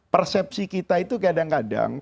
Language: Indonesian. persepsi kita itu kadang kadang